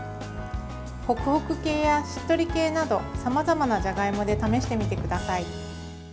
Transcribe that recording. ホクホク系やしっとり系などさまざまなじゃがいもで試してみてください。